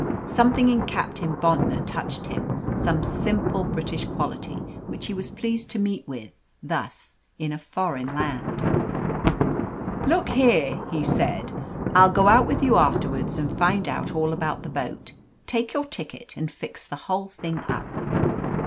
Something in Captain Bontnor touched him; some simple British quality which he was pleased to meet with, thus, in a foreign land. "Look here," he said, "I'll go out with you afterwards and find out all about the boat, take your ticket, and fix the whole thing up."